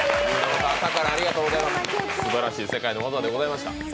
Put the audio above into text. すばらしい世界の技でございました。